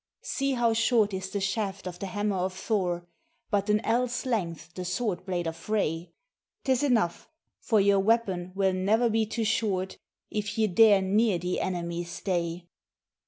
See how short is the shaft of the hammer of Thor, but an ell's length the sword blade of Frey; 'Tis enough, for your weapon will ne'er be too short if you dare near the enemy stay.